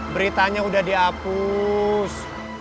beritanya udah dihapus